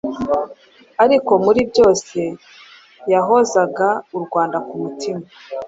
Ariko, muri byose yahozaga u Rwanda ku mutima,